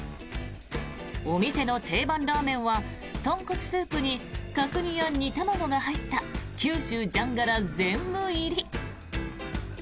お店の定番ラーメンは豚骨スープに角煮や煮卵が入った九州じゃんがら全部入り。